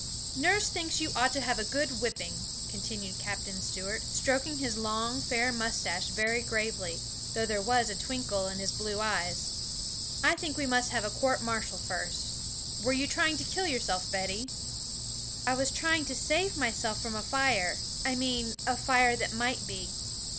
'Nurse thinks you ought to have a good whipping,' continued Captain Stuart, stroking his long, fair moustache very gravely, though there was a twinkle in his blue eyes. 'I think we must have a court martial first. Were you trying to kill yourself, Betty?' 'I was trying to save myself from a fire I mean a fire that might be.'